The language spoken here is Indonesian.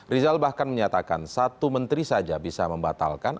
rizal bahkan menyatakan satu menteri saja bisa membatalkan